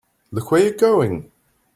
Look where you're going!